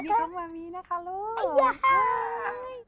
เด็กของมะมีนะคะลูก